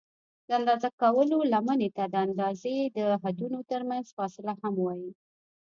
د اندازه کولو لمنې ته د اندازې د حدونو ترمنځ فاصله هم وایي.